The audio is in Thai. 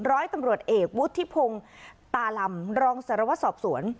ร้อยตำรวจเอกวุฒิพงศ์ตาลำรองสารวัตรสอบสวน